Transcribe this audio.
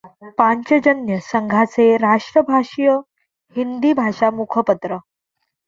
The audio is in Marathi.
पांचजन्य संघाचे राष्ट्रभाषीय हिंदी भाषा मुखपत्र